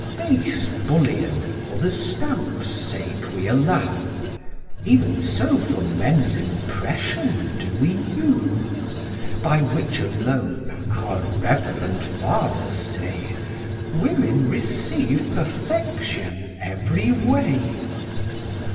Base bullion for the stamp's sake we allow: Even so for men's impression do we you; By which alone, our reverend fathers say, Women receive perfection every way.